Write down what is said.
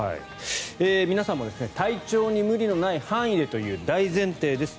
皆さんも体調に無理のない範囲でという大前提です。